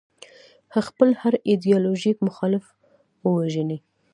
خپل هر ایدیالوژیک مخالف ووژني.